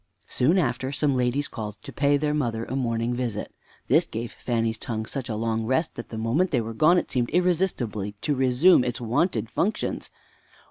Soon after, some ladies called to pay their mother a morning visit. This gave Fanny's tongue such a long rest that the moment they were gone it seemed irresistibly to resume its wonted functions.